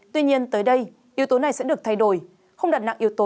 tuy nhiên tới đây yếu tố này sẽ được thay đổi không đặt nặng yếu tố